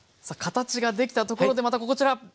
さあ形ができたところでまたこちら。